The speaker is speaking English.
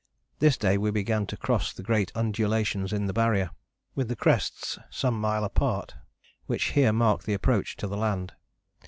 This day we began to cross the great undulations in the Barrier, with the crests some mile apart, which here mark the approach to the land.